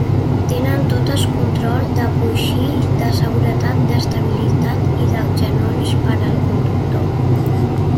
Tenen totes control de coixí de seguretat d'estabilitat i de genolls per al conductor.